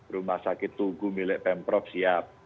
rumah sakit tugu milik pemprov siap